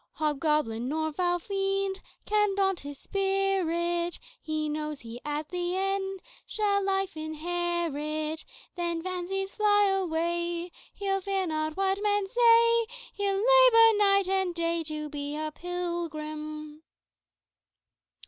"Hobgoblin nor foul fiend Can daunt his spirit; He knows he at the end Shall life inherit. Then, fancies fly away, He'll fear not what men say; He'll labor night and day To be a pilgrim."